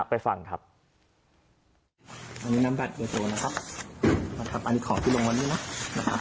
ไปฟังครับอันนี้น้ำแบบโดยโทรนะครับครับอันนี้ของที่ลงวันนี้น่ะนะครับ